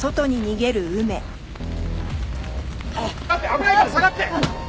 危ないから下がって！